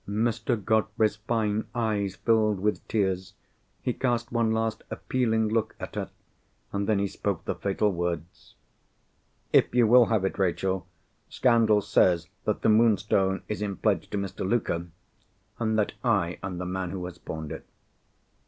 Mr. Godfrey's fine eyes filled with tears. He cast one last appealing look at her—and then he spoke the fatal words: "If you will have it, Rachel—scandal says that the Moonstone is in pledge to Mr. Luker, and that I am the man who has pawned it."